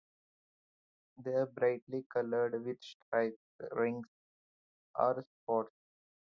They are brightly coloured, with stripes, rings, or spots.